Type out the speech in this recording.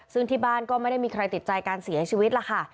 ซึ่งที่บ้านก็ไม่ได้มีใครติดใจการเสียชีวิตล่ะค่ะ